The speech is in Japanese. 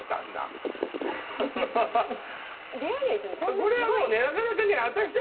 これはもうねなかなかね。